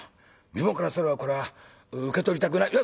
みどもからすればこれは受け取りたくない」。